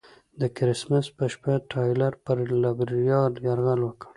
د کرسمس په شپه ټایلر پر لایبیریا یرغل وکړ.